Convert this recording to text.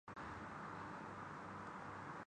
تو یہی بہتر سمجھا کہ اب چلا جائے۔